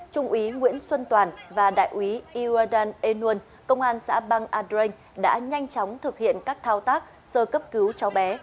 trung úy nguyễn xuân toàn và đại úy irodan enun công an xã bang adreng đã nhanh chóng thực hiện các thao tác sơ cấp cứu cháu bé